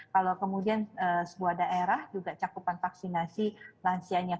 kalau kemudian sebuah daerah juga cakupan vaksinasi lansianya